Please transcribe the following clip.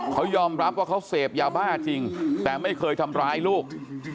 เขายอมรับว่าเขาเสพยาบ้าจริงแต่ไม่เคยทำร้ายลูก